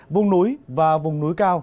vùng núi và vùng núi cao